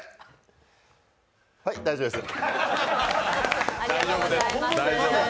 はい、大丈夫です。